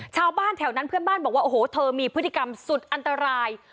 ชาวบ้านแถวนั้นเพื่อนบ้านบอกว่าโอ้โหเธอมีพฤติกรรมสุดอันตราย